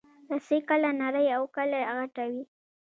رسۍ کله نرۍ او کله غټه وي.